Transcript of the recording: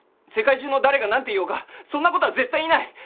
世界中の誰がなんて言おうがそんな事は絶対にない！